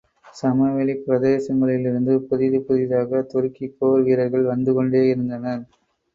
சமவெளிப் பிரதேசங்களிலிருந்து, புதிது புதிதாகத் துருக்கிப் போர் வீரர்கள் வந்து கொண்டேயிருந்தனர்.